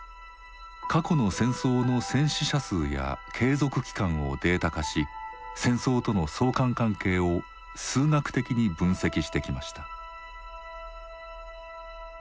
過去の戦争の戦死者数や継続期間をデータ化し戦争との相関関係を数学的に分析してきました。